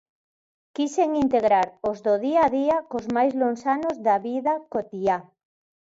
Quixen integrar os do día a día cos máis lonxanos da vida cotiá.